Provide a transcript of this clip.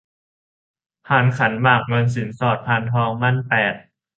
พานขันหมากเงินสินสอด พานทองหมั้น แปด